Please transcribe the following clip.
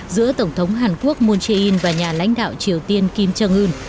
giữa tổng thống hàn quốc moon jae in và nhà lãnh đạo triều tiên kim jong un